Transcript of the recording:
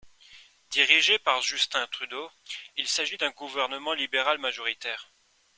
Dirigé par Justin Trudeau, il s'agit d'un gouvernement libéral majoritaire.